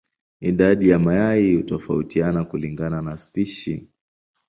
Idadi ya mayai hutofautiana kulingana na spishi.